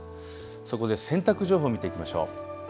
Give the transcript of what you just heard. そこで洗濯情報、見ていきましょう。